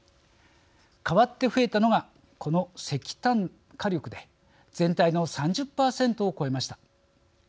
代わって増えたのがこの石炭火力で全体の３０％を超えました。